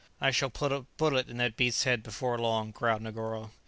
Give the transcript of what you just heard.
"I shall put a bullet into that beast's head before long," growled Negoro.